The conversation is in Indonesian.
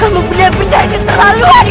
kamu benar benarnya terlalu hal ini